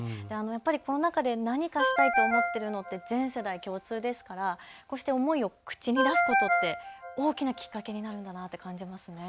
やっぱりコロナ禍で何かしたいと思っているのって全世代共通ですからこうして思いを口に出すことって、大きなきっかけになるんだなと感じました。